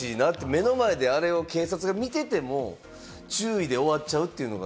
目の前であれを警察が見てても注意で終わっちゃうっていうのが。